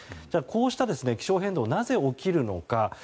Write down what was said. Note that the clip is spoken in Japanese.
こうした気象変動がなぜ起きるのか。